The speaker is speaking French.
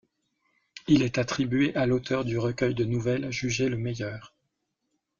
Il est attribué à l’auteur du recueil de nouvelles jugé le meilleur.